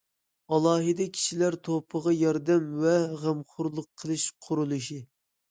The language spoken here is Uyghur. ئالاھىدە كىشىلەر توپىغا ياردەم ۋە غەمخورلۇق قىلىش قۇرۇلۇشى.